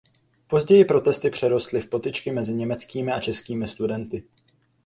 Později protesty přerostly v potyčky mezi německými a českými studenty.